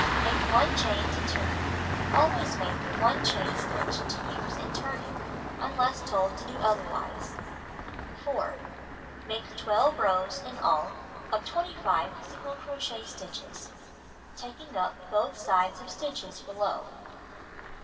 Make 1 chain to turn. Ahvays make 1 chain stitch to use in turning, unless told to do otherwise. 4. Make 12 rows (in all) of 25 single crochet stitches, taking up both loops of stitches below.